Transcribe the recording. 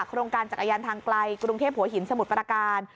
โครงการจักรยานทางไกลกรุงเทพหัวหินสมุทรประการ